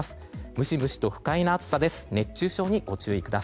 ムシムシと不快な暑さです。